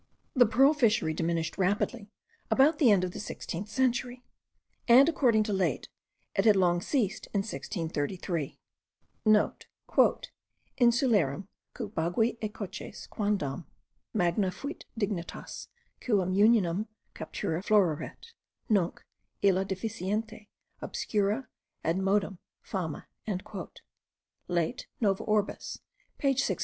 The pearl fishery diminished rapidly about the end of the sixteenth century; and, according to Laet, it had long ceased in 1633.* (* "Insularum Cubaguae et Coches quondam magna fuit dignitas, quum Unionum captura floreret: nunc, illa deficiente, obscura admodum fama." Laet Nova Orbis page 669.